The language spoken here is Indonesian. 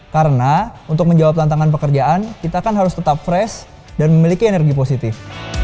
karena untuk menjawab tantangan pekerjaan kita harus tetap fresh dan memiliki energi positif